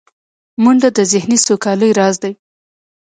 منډه د ذهني سوکالۍ راز دی